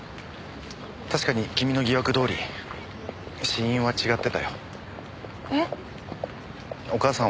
確かに君の疑惑どおり死因は違ってたよ。